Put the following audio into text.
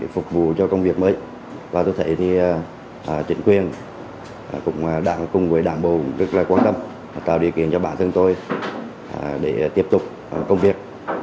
phục vụ cho công việc mới và tôi thấy truyền quyền cùng với đảng bộ rất quan tâm tạo điều kiện cho bản thân tôi để tiếp tục công việc